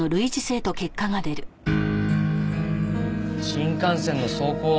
新幹線の走行音。